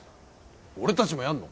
俺たちもやんの？